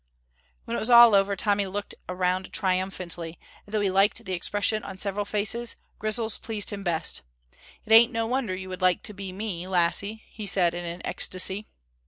When it was all over Tommy looked around triumphantly, and though he liked the expression on several faces, Grizel's pleased him best. "It ain't no wonder you would like to be me, lassie!" he said, in an ecstasy.